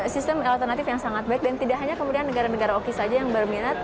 sistem alternatif yang sangat baik dan tidak hanya kemudian negara negara oki saja yang berminat